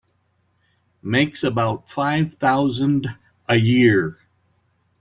Makes about five thousand a year.